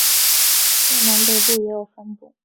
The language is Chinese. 越南北部也有分布。